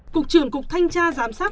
cục trưởng cục thanh tra giám sát